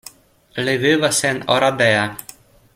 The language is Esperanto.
Li vivas en Oradea.